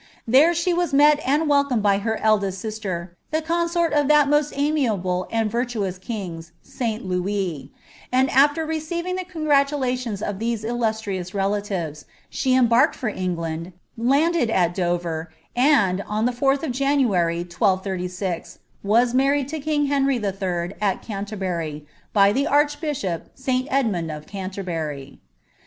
There she was met and welcomed by her eldest sister, the consort of that most amiable and wtaoas of kings, St Louis ; and, after receiving the congratulations of these illustrious relatives, she embarked for England, landed at Dover, and, on the 4th of January, 1236, was married to king Henry III. at Ganterboiy, by the archbishop, St. Edmund of Canterbury.'